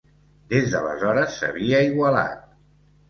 Des d'aleshores s'havia igualat.